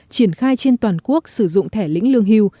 triển khai trên toàn quốc sử dụng thẻ lĩnh lương hưu